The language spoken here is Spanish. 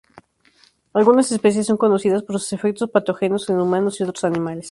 Algunas especies son conocidas por sus efectos patógenos en humanos y otros animales.